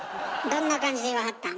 どんな感じで言わはったん？